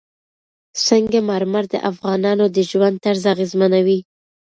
سنگ مرمر د افغانانو د ژوند طرز اغېزمنوي.